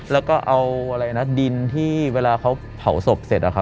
แล้วก็เอาอะไรนะดินที่เวลาเขาเผาศพเสร็จ